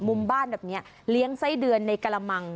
มุมบ้านแบบนี้เลี้ยงไส้เดือนในกระมัง